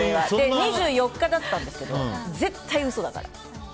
２４日だったんですけど絶対、嘘だからって。